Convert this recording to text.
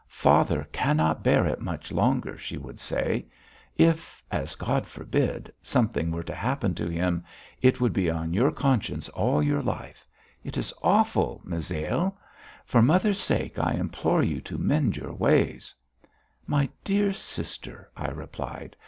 "Father cannot bear it much longer," she would say. "If, as God forbid, something were to happen to him, it would be on your conscience all your life. It is awful, Misail! For mother's sake I implore you to mend your ways." "My dear sister," I replied.